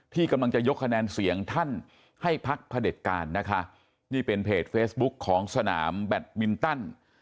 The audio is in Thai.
ที่กำลังจะยกคะแนนเสียงท่านให้พักพระเด็จการนะคะนี่เป็นเพจเฟซบุ๊คของสนามแบตมินตัน